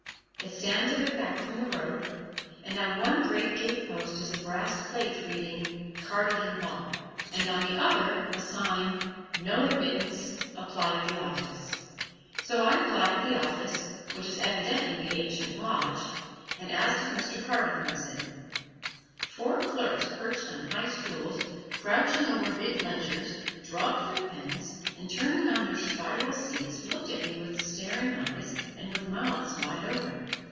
It stands a bit back from the road, and on one great gatepost is a brass plate reading "Cardigan Hall," and on the other a sign, "No Admittance Apply at the Office." So I applied at the office, which is evidently the ancient lodge, and asked if Mr. Cardigan was in. Four clerks perched on high stools, crouching over big ledgers, dropped their pens and turning on their spiral seats looked at me with staring eyes, and with mouths wide open.